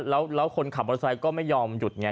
แล้วคนขับมอเตอร์ไซค์ก็ไม่ยอมหยุดไง